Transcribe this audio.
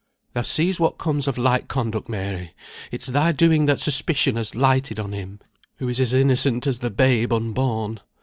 "Thou seest what comes of light conduct, Mary! It's thy doing that suspicion has lighted on him, who is as innocent as the babe unborn.